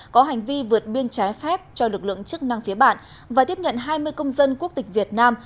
có hành vi vượt biên trái phép cho lực lượng chức năng phía bạn và tiếp nhận hai mươi công dân quốc tịch việt nam